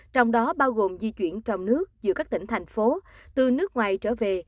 trong đó bao gồm di chuyển trong nước giữa các tỉnh thành phố từ nước ngoài trở về